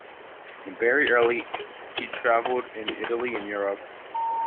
Very early he traveled in Italy and Europe.